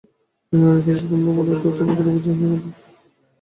এসব নারী পুরুষ কাজে মগ্ন থাকায় দ্রুতগামী যানবাহনের দিকে খেয়াল রাখেন না।